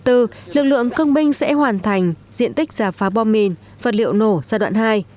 sự kiến cuối năm hai nghìn hai mươi bốn lực lượng công minh sẽ hoàn thành diện tích giả phá bom mìn vật liệu nổ giai đoạn hai